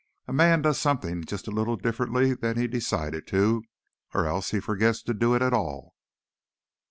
A man does something just a little differently than he decided to—or else he forgets to do it at all."